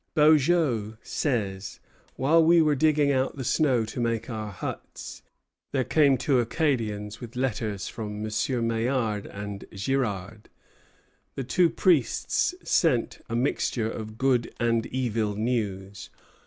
Beaujeu says: "While we were digging out the snow to make our huts, there came two Acadians with letters from MM. Maillard and Girard." The two priests sent a mixture of good and evil news.